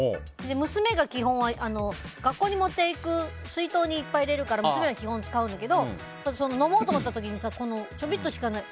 娘が基本は学校に持っていく水筒にいっぱい入れるから娘が基本、使うんだけど飲もうと思った時にちょびっとしかない。